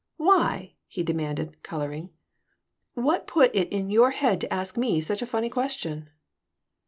Why?" he demanded, coloring. "What put it in your head to ask me such a funny question?"